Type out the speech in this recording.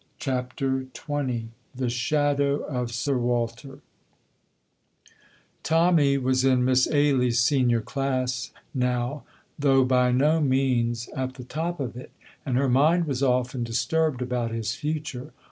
CHAPTER XX THE SHADOW OF SIR WALTER Tommy was in Miss Ailie's senior class now, though by no means at the top of it, and her mind was often disturbed about his future.